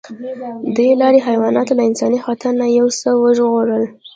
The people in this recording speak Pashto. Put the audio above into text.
دې لارې حیوانات له انساني خطر نه یو څه وژغورل.